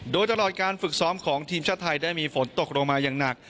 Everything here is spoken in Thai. โดยตลอดการฝึกซ้อมของทีมชาติไทยได้มีฝนตกลงมาอย่างหนัก